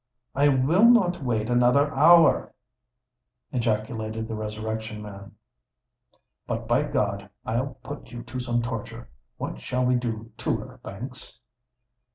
"I will not wait another hour!" ejaculated the Resurrection Man; "but, by God! I'll put you to some torture. What shall we do to her, Banks?"